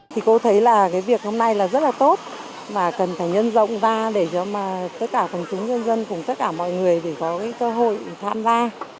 thì cô thấy là cái việc hôm nay là rất là tốt và cần phải nhân rộng ra để cho mà tất cả phòng chúng dân dân cùng tất cả mọi người để có cái cơ hội tham gia